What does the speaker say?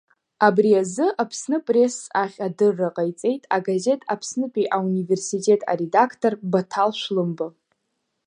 Абри азы Аԥсныпресс ахь адырра ҟаиҵеит агазет Аԥснытәи аунивирситет аредақтор Баҭал Шәлымба.